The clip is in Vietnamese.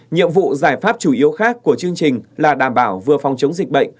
nhiệm vụ giải pháp chủ yếu khác của chương trình là đảm bảo vừa phòng chống dịch bệnh